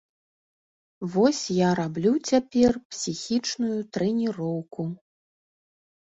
Вось я раблю цяпер псіхічную трэніроўку.